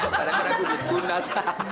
padahal kan abu udah sunat